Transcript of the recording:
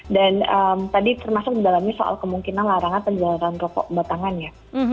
dan tadi termasuk dalamnya soal kemungkinan larangan penjualan rokok batangannya